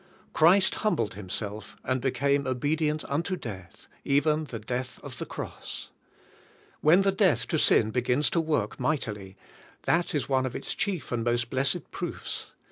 Christ humbled Himself, and became obedient unto death, even the death of the cross. When the death to sin be gins to work mightily, that is one of its chief and most blessed proofs.